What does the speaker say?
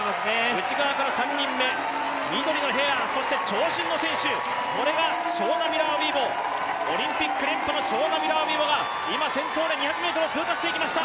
内側から３人目、緑のヘア、そして長身の選手がショウナ・ミラー・ウイボ、オリンピック連覇のショウナ・ミラー・ウイボが今、先頭で２００ｍを通過していきました。